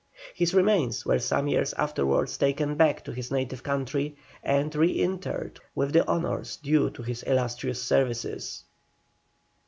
His remains were some years afterwards taken back to his native country, and re interred with the honours due to his illustrious services.